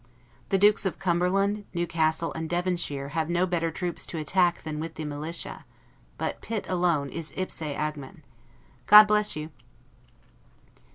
The Dukes of Cumberland, Newcastle, and Devonshire, have no better troops to attack with than the militia; but Pitt alone is ipse agmen. God bless you!